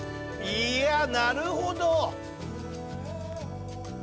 いやなるほど！